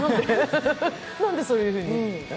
なんでそういうふうに？